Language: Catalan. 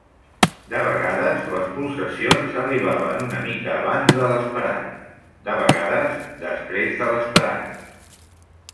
De vegades, les pulsacions arribaven una mica abans de l'esperat; de vegades, després de l'esperat.